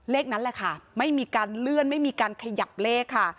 เลขนั้นแหละค่ะไม่มีการเลื่อนไม่มีการขยับเลขค่ะ